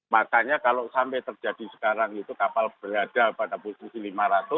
makanya kalau sampai terjadi sekarang itu kapal berada pada posisi lima ratus